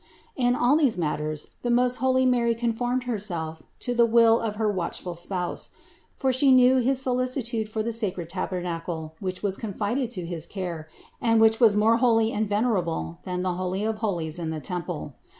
543. In all these matters the most holy Mary con formed Herself to the will of her watchful spouse; for She knew his solicitude for the sacred tabernacle which was confided to his care, and which was more holy and venerable than the Holy of Holies in the temple.